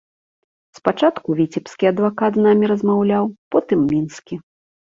Спачатку віцебскі адвакат з намі размаўляў, потым мінскі.